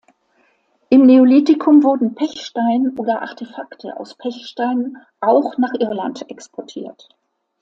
Im Neolithikum wurden Pechstein oder Artefakte aus Pechstein auch nach Irland exportiert.